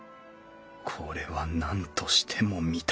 これはなんとしても見たい